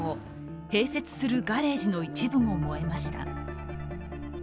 併設するガレージの一部も燃えました。